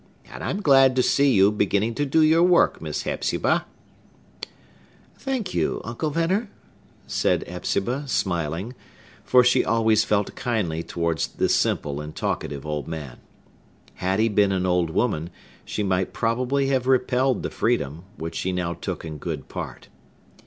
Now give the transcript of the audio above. And I'm glad to see you beginning to do your work, Miss Hepzibah!" "Thank you, Uncle Venner" said Hepzibah, smiling; for she always felt kindly towards the simple and talkative old man. Had he been an old woman, she might probably have repelled the freedom, which she now took in good part.